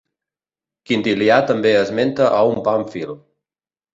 Quintilià també esmenta a un Pàmfil.